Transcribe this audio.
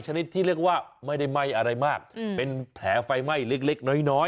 ชนิดที่เรียกว่าไม่ได้ไหม้อะไรมากเป็นแผลไฟไหม้เล็กน้อย